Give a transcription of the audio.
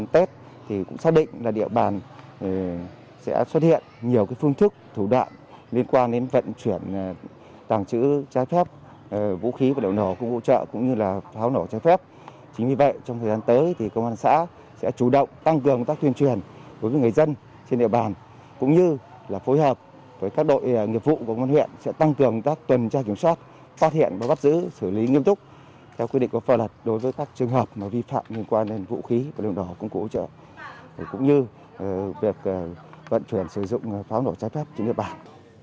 theo quy định của phò lật đối với các trường hợp vi phạm liên quan đến vũ khí vật liệu nổ công cụ hỗ trợ cũng như việc vận chuyển sử dụng pháo nổ trái phép trên nước bản